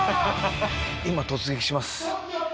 今突撃します。